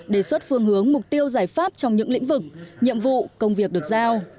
đề xuất phương hướng mục tiêu giải pháp trong những lĩnh vực nhiệm vụ công việc được giao